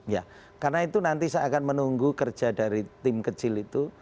ya karena itu nanti saya akan menunggu kerja dari tim kecil itu